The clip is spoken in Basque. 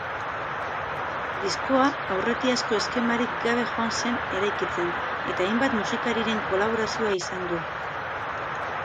Diskoa aurretiazko eskemarik gabe joan zen eraikitzen eta hainbat musikariren kolaborazioa izan du.